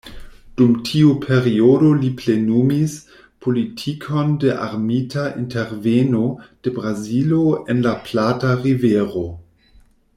Dum tiu periodo li plenumis politikon de armita interveno de Brazilo en la Plata-Rivero.